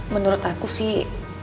menurut aku sih